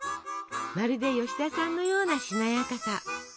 まるで吉田さんのようなしなやかさ。